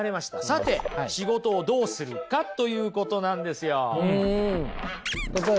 さて仕事をどうするかということなんですよ。